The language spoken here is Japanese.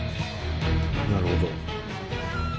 なるほど。